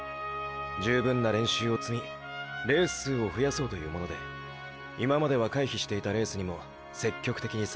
十分な練習を積みレース数を増やそうというもので今までは回避していたレースにも積極的に参加していった。